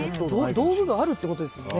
道具があるってことですもんね